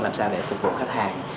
làm sao để phục vụ khách hàng